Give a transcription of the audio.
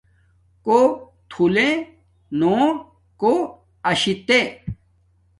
کݸ تھُلݺ نݸ کݸ اَشِتݺ.